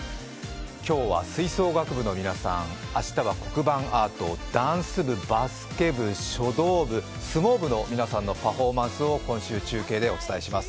今日は吹奏楽部の皆さん、明日は黒板アート、ダンス部、バスケ部、書道部、相撲部の皆さんのパフォーマンスを、今週、中継でお伝えします。